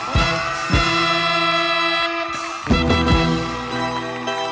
กลับไปที่นี่